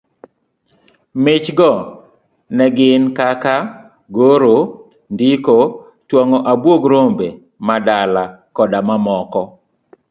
Mich go ne gin kaka, goro, ndiko, twang'o abuog rombemadala koda mamoko.